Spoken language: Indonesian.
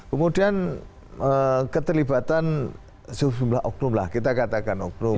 kemudian keterlibatan sejumlah oknum lah kita katakan oknum